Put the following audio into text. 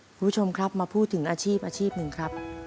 คุณผู้ชมครับมาพูดถึงอาชีพ๑ครับ